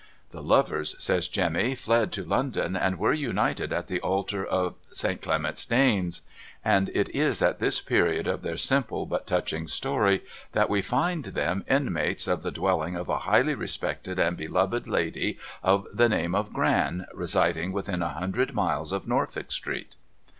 ' The lovers ' says Jemmy ' fled to London and were united at the altar of Saint Clement's Danes. And it is at this period of their simple but touching story that we find them inmates of the dwelling of a highly respected and beloved lady of the name of Gran, residing within a hundred miles of Norfolk street.'